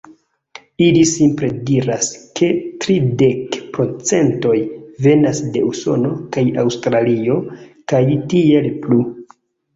Ili simple diras, ke tridek procentoj venas de Usono, kaj Aŭstralio, kaj tiel plu.